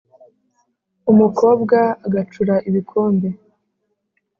Umukobwa agacura ibikombe